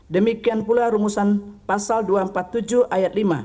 demikian pula rumusan pasal dua ratus empat puluh tujuh ayat lima